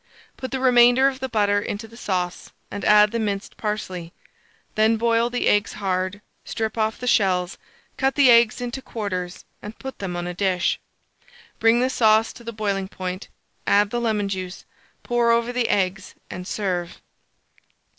Put the remainder of the butter into the sauce, and add the minced parsley; then boil the eggs hard, strip off the shells, cut the eggs into quarters, and put them on a dish. Bring the sauce to the boiling point, add the lemon juice, pour over the eggs, and serve.